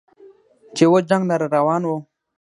چې و جنګ لره روان و